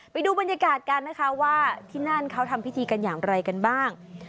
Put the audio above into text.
ไปดูบรรยากาศกันนะคะว่าที่นั่นเขาทำพิธีกันอย่างไรกันบ้าง